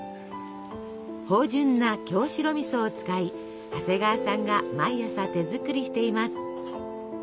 芳じゅんな京白みそを使い長谷川さんが毎朝手作りしています。